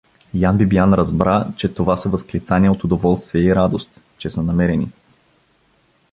Ян Бибиян разбра, че това са възклицания от удоволствие и радост, че са намерени.